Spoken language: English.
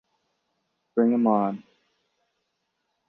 Bring ’em on.